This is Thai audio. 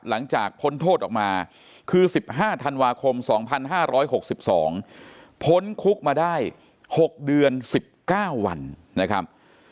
พ้นโทษออกมาคือ๑๕ธันวาคม๒๕๖๒พ้นคุกมาได้๖เดือน๑๙วันนะครับ